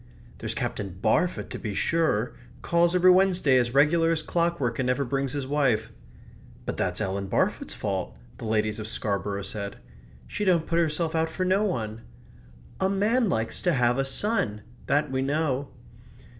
"There's Captain Barfoot to be sure calls every Wednesday as regular as clockwork, and never brings his wife." "But that's Ellen Barfoot's fault," the ladies of Scarborough said. "She don't put herself out for no one." "A man likes to have a son that we know."